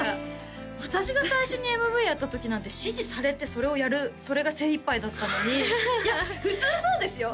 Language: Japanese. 私が最初にＭＶやった時なんて指示されてそれをやるそれが精いっぱいだったのにフッいや普通そうですよ